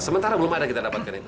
sementara belum ada kita dapatkan itu